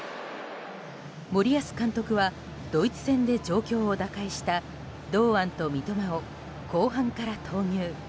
森保監督はドイツ戦で状況を打開した堂安と三笘を後半から投入。